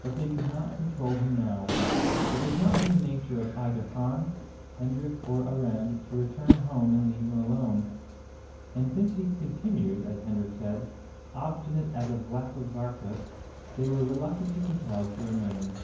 But they could not control him now. It was not in the nature of either Hans, Hendrik, or Arend to return home and leave him alone; and since he continued, as Hendrik said, "obstinate as a vlacke varke" they were reluctantly compelled to remain.